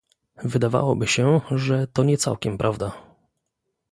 Wydawałoby się, że to nie całkiem prawda